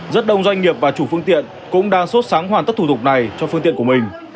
rất đông doanh nghiệp và chủ phương tiện cũng đang sốt sáng hoàn tất thủ tục này cho phương tiện của mình